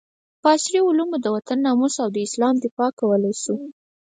په عصري علومو د وطن ناموس او د اسلام دفاع کولي شو